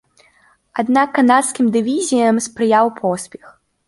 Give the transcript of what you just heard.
Аднак канадскім дывізіям спрыяў поспех.